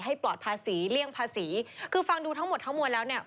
ปลอดภาษีเลี่ยงภาษีคือฟังดูทั้งหมดทั้งมวลแล้วเนี่ย